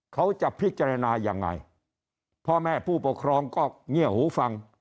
เขาจะพิจารณายังไงพ่อแม่ผู้ปกครองก็เงียบหูฟัง